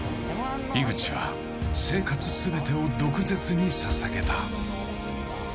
井口は生活すべてを毒舌にささげた。